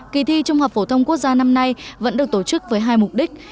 kỳ thi trung học phổ thông quốc gia năm nay vẫn được tổ chức với hai mục đích